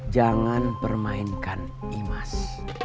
jangan permainkan imas